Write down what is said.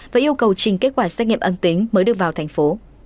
và yêu cầu trình kết quả xét nghiệm âm tính mới được vào thành phố